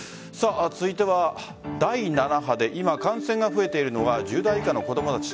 続いては第７波で今、感染が増えているのは１０代以下の子供たち。